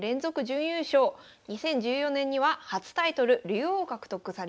２０１４年には初タイトル竜王獲得されました。